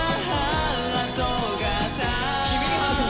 君にハート。